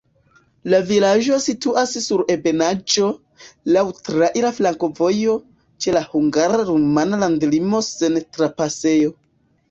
La vilaĝo situas sur ebenaĵo, laŭ traira flankovojo, ĉe la hungara-rumana landlimo sen trapasejo.